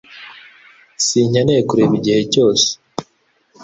Sinkeneye kureba igihe cyose